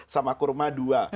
sama kurma dua